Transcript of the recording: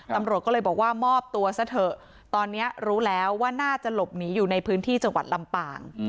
ตำรวจก็เลยบอกว่ามอบตัวซะเถอะตอนนี้รู้แล้วว่าน่าจะหลบหนีอยู่ในพื้นที่จังหวัดลำปาง